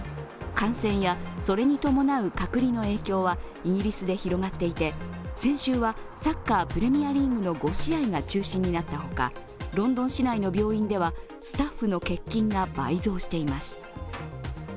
感染やそれに伴う隔離の影響はイギリスで広がっていて、先週はサッカー・プレミアリーグの５試合が中止になったほかロンドン市内の病院ではスタッフの欠勤が倍増しています。